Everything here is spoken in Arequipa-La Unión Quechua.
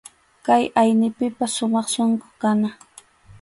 Kay aynipipas sumaq sunqu kana.